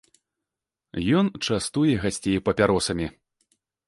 Ён частуе гасцей папяросамі.